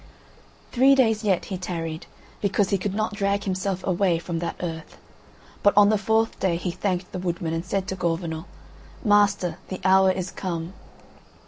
Three days yet he tarried, because he could not drag himself away from that earth, but on the fourth day he thanked the woodman, and said to Gorvenal: "Master, the hour is come."